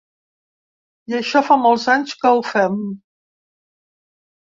I això fa molts anys que ho fem.